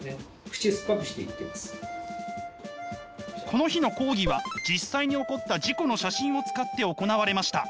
この日の講義は実際に起こった事故の写真を使って行われました。